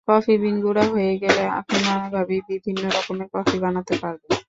Coffee bean গুঁড়া হয়ে গেলে আপনি নানাভাবেই বিভিন্ন রকমের কফি বানাতে পারবেন।